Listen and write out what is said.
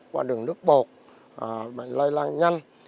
qua đường nước bột bệnh lây lan nhanh